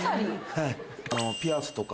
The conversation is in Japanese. はい。